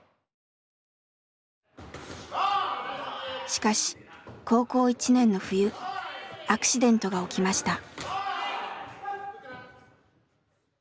しかし高校１年の冬アクシデントが起きました。